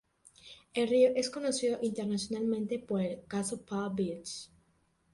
El río es conocido internacionalmente por el Caso Palm Beach.